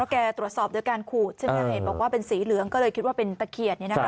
แกตรวจสอบด้วยการขูดใช่ไหมเห็นบอกว่าเป็นสีเหลืองก็เลยคิดว่าเป็นตะเขียน